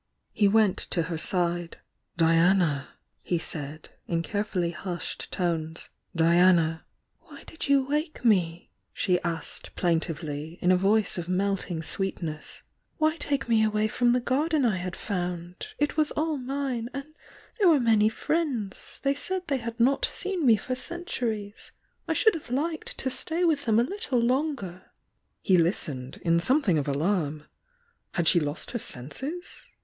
He went to her side. "Diana!" he said, in care fully hudied tones. "Diana " "Why did you wake me?" she asked plaintively, in a voice of melting sweetness. "Why take me away from the garden I had found? It was all mine! — and there were many friends — they said they had not seen me for centuries! I should have liked to stay with them a little longer!" He listened, in something of alarm. Had she lost her senses?